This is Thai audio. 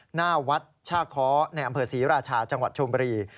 หน้าวัดช่าค้อในอำเภอศรีราชาจังหวัดชมบุรี